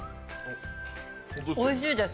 おいしいです。